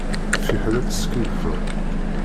Fiḥel ad teskiddbeḍ.